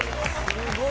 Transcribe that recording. すごい！